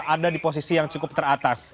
ada di posisi yang cukup teratas